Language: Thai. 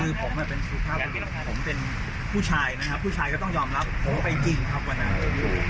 คือผมเป็นผู้ชายนะครับผู้ชายก็ต้องยอมรับผมไปจริงครับวันนั้น